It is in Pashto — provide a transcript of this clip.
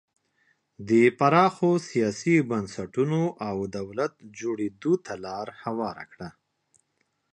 د پراخو سیاسي بنسټونو او دولت جوړېدو ته لار هواره کړه.